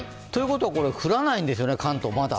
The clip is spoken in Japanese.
これ降らないんですよね、関東はまだ。